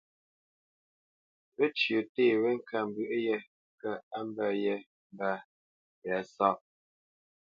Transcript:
Wécyə̌ té wé ŋkambwə̌ yē kə̂ á mbə̄ yé mbə̄ tɛ̌sáʼ.